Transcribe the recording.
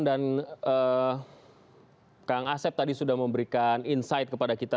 dan kang asep tadi sudah memberikan insight kepada kita